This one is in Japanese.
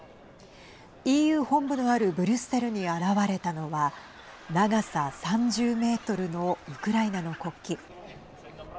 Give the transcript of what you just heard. ＥＵ本部のあるブリュッセルに現れたのは長さ３０メートルのウクライナの国旗。